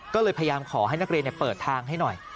ก็เลยพยายามขอให้นักเรียนเปิดทางให้หน่อย